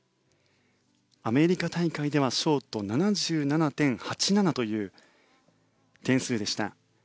アメリカ大会ではショート、７７．８７という点数でした。